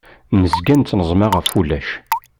Nezga nettneẓma ɣef wulac.